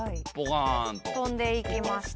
飛んで行きました。